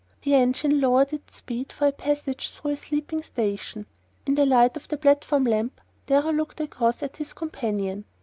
The engine lowered its speed for the passage through a sleeping station. In the light of the platform lamp Darrow looked across at his companion.